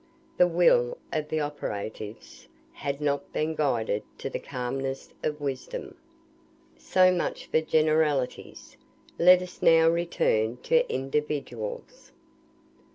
The will of the operatives had not been guided to the calmness of wisdom. So much for generalities. Let us now return to individuals.